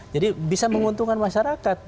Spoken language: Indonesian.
jadi bisa menguntungkan masyarakat